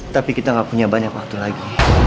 tapi kita gak punya banyak waktu lagi